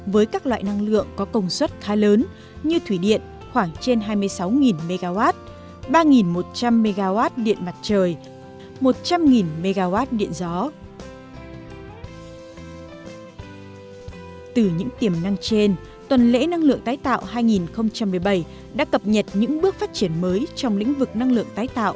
và đặc biệt là những giá trị và lợi ích của nó mang lại